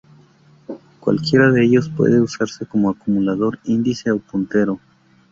Cualquiera de ellos puede usarse como acumulador, índice o puntero.